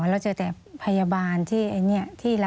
เราเจอแต่พยาบาลที่